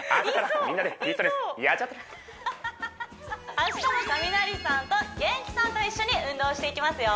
明日もカミナリさんと元気さんと一緒に運動していきますよ